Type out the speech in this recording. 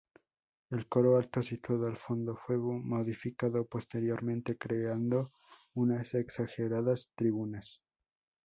El coro alto, situado al fondo, fue modificado posteriormente, creando unas exageradas tribunas.